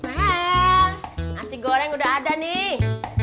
well nasi goreng udah ada nih